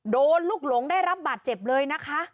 โดนลูกหลงได้รับบาดเจ็บเลยนะคะ